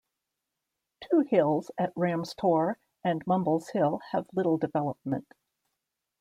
Two hills at Rams Tor and Mumbles Hill have little development.